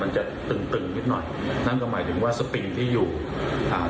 จะตึงตึงนิดหน่อยนั่นก็หมายถึงว่าสปิงที่อยู่อ่า